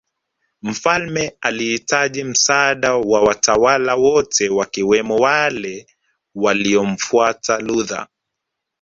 Mfalme alihitaji msaada wa watawala wote wakiwemo wale waliomfuata Luther